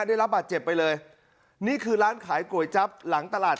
ได้รับบาดเจ็บไปเลยนี่คือร้านขายก๋วยจั๊บหลังตลาด